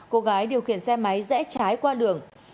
cô gái điều khiển xe máy rẽ trái qua đường